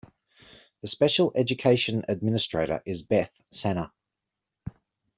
The special education administrator is Beth Sanna.